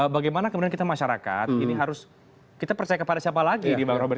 bagaimana kemudian kita masyarakat ini harus kita percaya kepada siapa lagi nih bang robert